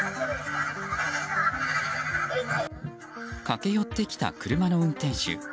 駆け寄ってきた車の運転手。